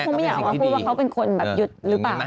ไม่อยากออกมาพูดว่าเขาเป็นคนแบบหยุดหรือเปล่า